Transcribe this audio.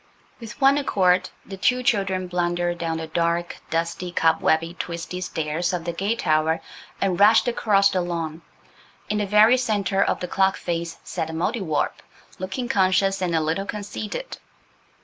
With one accord the two children blundered down the dark, dusty, cobwebby, twisty stairs of the gate tower and rushed across the lawn. In the very centre of the clock face sat the Mouldiwarp, looking conscious and a little conceited.